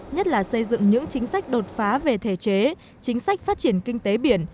nhất là xây dựng những chính sách đột phá về thể chế chính sách phát triển kinh tế biển